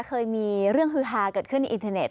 เคยมีเรื่องฮือฮาเกิดขึ้นในอินเทอร์เน็